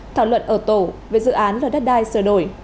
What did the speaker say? thảo luận ở tổ về dự án luật đất đai sửa đổi